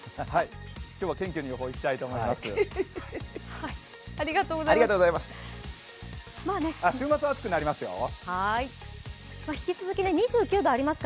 今日は謙虚に予報いきたいと思います。